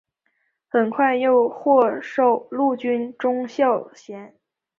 很快又获授陆军中校衔。